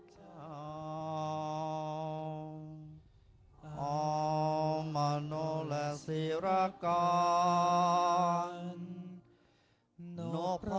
และผู้มีเกียรติที่กรบทุกท่านได้ลุกขึ้นยืนโดยพร้อมเพียงกันครับ